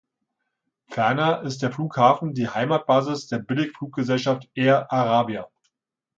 Ferner ist der Flughafen die Heimatbasis der Billigfluggesellschaft Air Arabia.